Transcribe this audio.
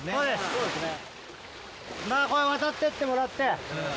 そうですね。